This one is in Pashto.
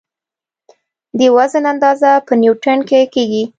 د وزن اندازه په نیوټن کې کېږي.